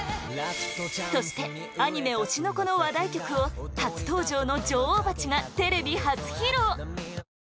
そしてアニメ「推しの子」の話題曲を初登場の女王蜂が ＴＶ 初披露！